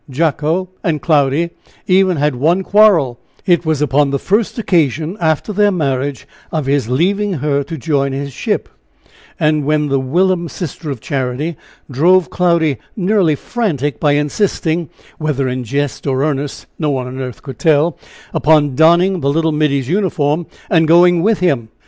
Jacko and Cloudy, even, had one quarrel it was upon the first occasion after their marriage, of his leaving her to join his ship and when the whilom Sister of Charity drove Cloudy nearly frantic by insisting whether in jest or earnest no one on earth could tell upon donning the little middy's uniform and going with him!